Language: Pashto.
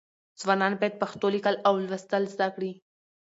ځوانان باید پښتو لیکل او لوستل زده کړي.